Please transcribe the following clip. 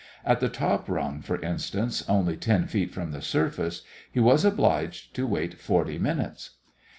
At the top rung, for instance, only 10 feet from the surface, he was obliged to wait forty minutes.